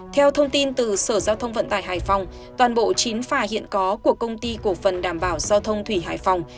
theo thông tin từ sở giao thông vận tải hải phòng toàn bộ chín phà hiện có của công ty cổ phần đảm bảo giao thông thủy hải phòng